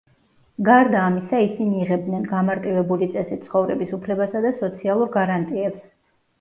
გარდა ამისა, ისინი იღებდნენ გამარტივებული წესით ცხოვრების უფლებასა და სოციალურ გარანტიებს.